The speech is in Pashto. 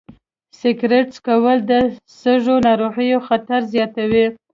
سګرټ څکول د سږو ناروغیو خطر زیاتوي.